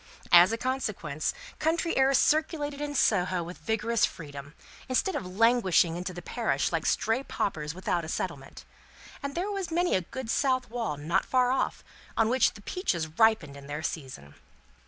As a consequence, country airs circulated in Soho with vigorous freedom, instead of languishing into the parish like stray paupers without a settlement; and there was many a good south wall, not far off, on which the peaches ripened in their season.